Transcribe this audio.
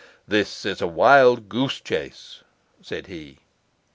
'This is a wild goose chase,' said he.